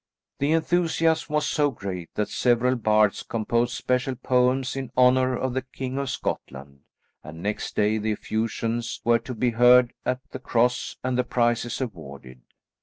The enthusiasm was so great that several bards composed special poems in honour of the king of Scotland, and next day the effusions were to be heard at the cross, and the prizes awarded.